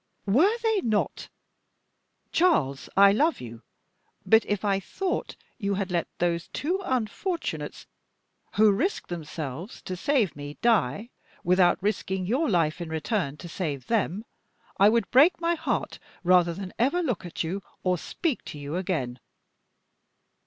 Were they not 'Charles, I love you; but if I thought you had let those two unfortunates, who risked themselves to save me, die without risking your life in return to save them, I would break my heart rather than ever look at you or speak to you again!